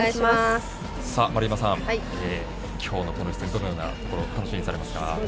丸山さん、今日の、この一戦どのようなところを楽しみにされていますか？